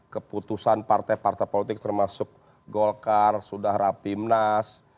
keputusan partai partai politik termasuk golkar sudah rapimnas